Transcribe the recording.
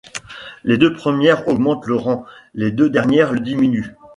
Les deux premières augmentent le rang, les deux dernières le diminuent.